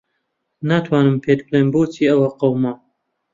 ناتوانم پێت بڵێم بۆچی ئەوە قەوما.